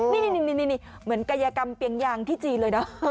นี่เหมือนกายกรรมเปียงยางที่จีนเลยนะ